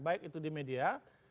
baik itu di media